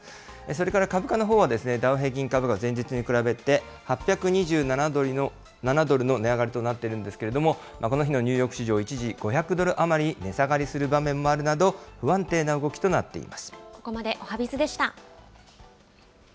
それから株価のほうは、ダウ平均株価、前日に比べて８２７ドルの値上がりとなってるんですけれども、この日のニューヨーク市場、一時５００ドル余り値下がりする場面もあるなど、不安定な動きとここまでおはＢｉｚでした。